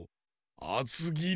あつぎり？